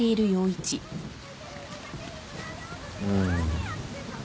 うん。